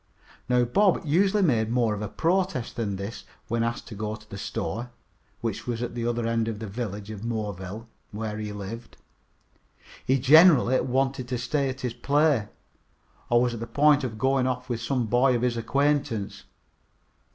Now Bob usually made more of a protest than this when asked to go to the store, which was at the other end of the village of Moreville, where he lived. He generally wanted to stay at his play, or was on the point of going off with some boy of his acquaintance.